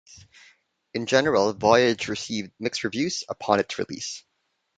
In general, "Voyage" received mixed reviews upon its release.